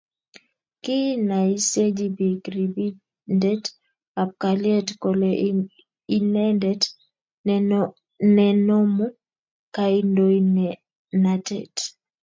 kiinaiseji biik ripindet ab kalyet kole inendet nenomu kaindoinatet